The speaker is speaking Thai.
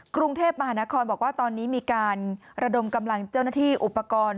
กรุงเทพมหานครบอกว่าตอนนี้มีการระดมกำลังเจ้าหน้าที่อุปกรณ์